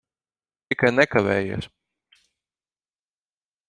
Tikai nekavējies.